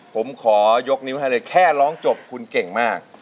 ผมขอยกนิ้วให้เลยแค่ร้องจบคุณเก่งมาก